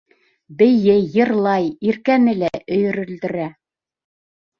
Бейей, йырлай, Иркәне лә өйрөлдөрә.